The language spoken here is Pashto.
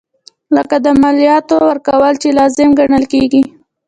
لکه د مالیاتو ورکول چې لازم ګڼل کیږي.